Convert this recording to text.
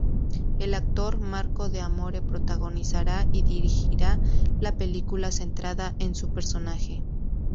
El actor Marco D'Amore protagonizará y dirigirá la película centrada en su personaje.